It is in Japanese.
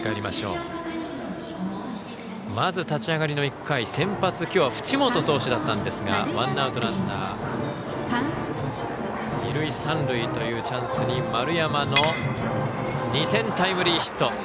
まず立ち上がりの１回、先発きょうは淵本投手だったんですがワンアウト、ランナー二塁三塁というチャンスに丸山の２点タイムリーヒット。